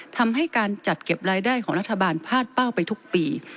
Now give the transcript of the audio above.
ทำให้การจัดเก็บรายได้ของรัฐบาลพลาดเป้าไปทุกปี